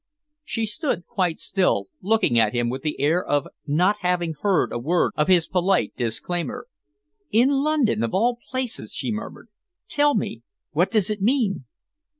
She stood quite still, looking at him with the air of not having heard a word of his polite disclaimer. "In London, of all places," she murmured. "Tell me, what does it mean?"